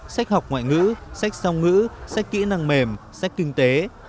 sách học ngoại ngữ sách song ngữ sách kỹ năng mềm sách kinh tế